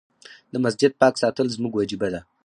د مسجد پاک ساتل زموږ وجيبه ده.